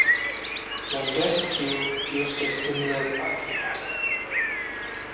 Montesquieu used a similar argument.